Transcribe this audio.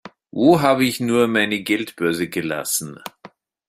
Wo habe ich nur meine Geldbörse gelassen?